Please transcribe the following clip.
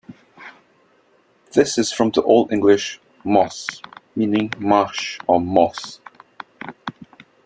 This is from the Old English "mos" meaning 'marsh' or 'moss'.